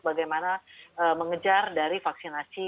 bagaimana mengejar dari vaksinasi